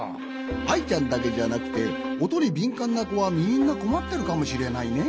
アイちゃんだけじゃなくておとにびんかんなこはみんなこまってるかもしれないね。